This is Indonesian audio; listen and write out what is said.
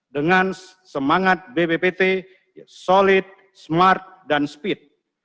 dengan semangat bppt solid smart dan speed